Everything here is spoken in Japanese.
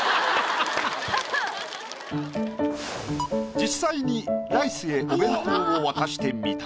実際にライスへお弁当を渡してみた。